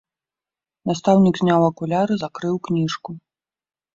Настаўнік зняў акуляры, закрыў кніжку.